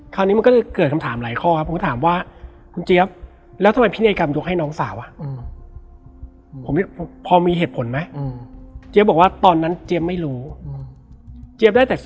คราวนี้มันก็จะเกิดคำถามหลายข้อครับ